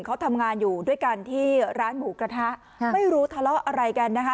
เขาทำงานอยู่ด้วยกันที่ร้านหมูกระทะไม่รู้ทะเลาะอะไรกันนะคะ